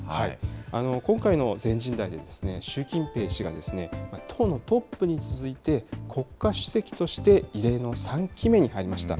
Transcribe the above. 今回の全人代で、習近平氏が党のトップに続いて、国家主席として異例の３期目に入りました。